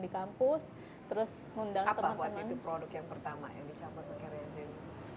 apa waktu itu produk yang pertama yang dicampur pakai resin